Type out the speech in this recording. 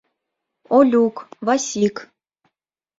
Олюк, Васик.